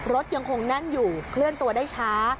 รถยังคงแน่นอยู่เคลื่อนตัวได้ช้า